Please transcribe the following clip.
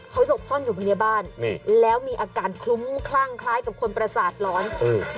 เขาหลบซ่อนอยู่ภายในบ้านนี่แล้วมีอาการคลุ้มคลั่งคล้ายกับคนประสาทร้อนอืม